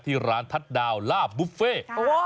ที่ร้านทัศน์ดาวลาบบุฟเฟ่